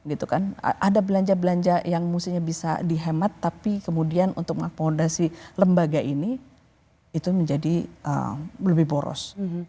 ada belanja belanja yang mestinya bisa dihemat tapi kemudian untuk mengakomodasi lembaga ini itu menjadi lebih boros